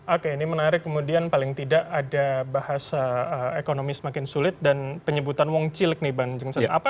oke ini menarik kemudian paling tidak ada bahasa ekonomi semakin sulit dan penyebutan wong cilik nih bang jungsen